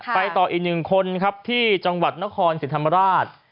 ไปต่ออีกนึงคนครับที่จังหวัดนคลสิทธิ์ธรรมราช